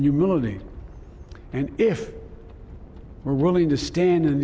dan jika kita berani berdiri di dalam kaki orang lain